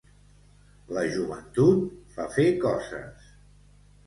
La joventut fa fer coses.